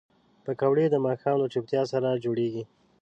پکورې د ماښام له چوپتیا سره جوړېږي